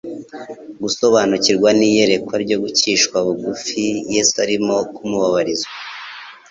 gusobanukirwa n'iyerekwa ryo gucishwa bugufi Yesu arimo kumubabarizwa.